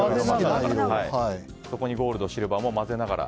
そこにゴールド、シルバーも混ぜながら。